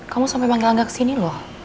kamu sampe manggil angga kesini lho